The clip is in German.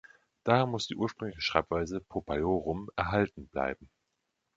Daher muss die ursprüngliche Schreibweise „popeiorum“ erhalten bleiben.